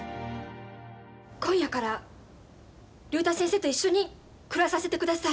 今夜から竜太先生と一緒に暮らさせてください！